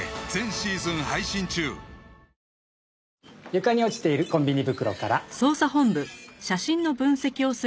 床に落ちているコンビニ袋から。